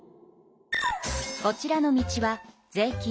こちらの道は税金